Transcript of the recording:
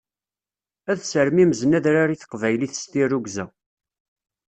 Ad sermimzen adrar i taqbaylit s tirugza.